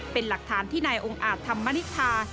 เป็นหลักฐานที่นายองค์อาจธรรมนิษฐา